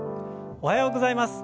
おはようございます。